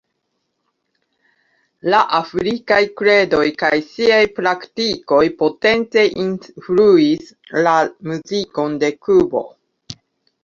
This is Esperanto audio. La afrikaj kredoj kaj siaj praktikoj potence influis la muzikon de Kubo.